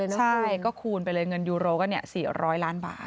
ใช่ก็คูณไปเลยเงินยูโรก็๔๐๐ล้านบาท